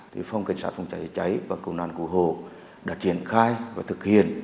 thì phòng cảnh sát phòng cháy cháy và cứu nạn cứu hộ đã triển khai và thực hiện